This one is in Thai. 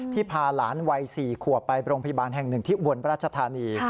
พาหลานวัย๔ขวบไปโรงพยาบาลแห่งหนึ่งที่อุบลราชธานี